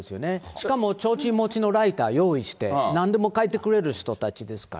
しかもちょうちん持ちのライター用意して、なんでも書いてくれる人たちですから。